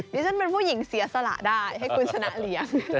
ดิฉันเป็นผู้หญิงเสียสละได้ให้คุณชนะเลี้ยง